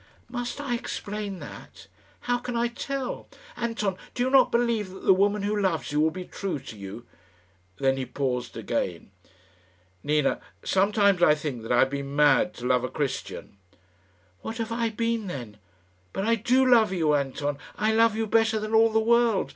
"Must I explain that? How can I tell? Anton, do you not believe that the woman who loves you will be true to you?" Then he paused again "Nina, sometimes I think that I have been mad to love a Christian." "What have I been then? But I do love you, Anton I love you better than all the world.